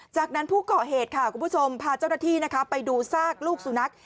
จากนั้นผู้ก่อเหตุค่ะคุณผู้ชมพาเจ้าหน้าที่ไปดูซากลูกสุนัข